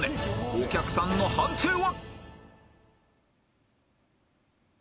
お客さんの判定は！？